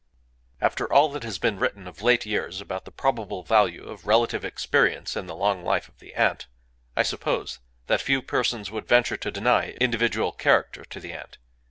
After all that has been written of late years about the probable value of relative experience in the long life of the ant, I suppose that few persons would venture to deny individual character to the ant.